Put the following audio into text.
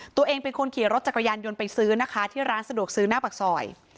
ตัวเองเป็นคนขี่รถจักรยานยนต์ไปซื้อนะคะที่ร้านสะดวกซื้อหน้าปากซอย